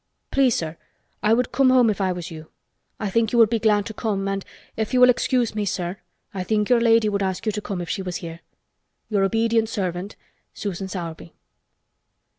Please, sir, I would come home if I was you. I think you would be glad to come and—if you will excuse me, sir—I think your lady would ask you to come if she was here. Your obedient servant, Susan Sowerby."